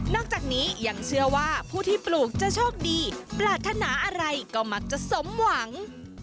จากนี้ยังเชื่อว่าผู้ที่ปลูกจะโชคดีปรารถนาอะไรก็มักจะสมหวัง